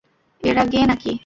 এরা গে নাকি?